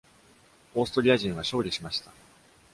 オーストリア人は勝利しました。